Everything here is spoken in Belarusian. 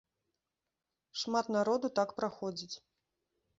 Шмат народу так праходзіць.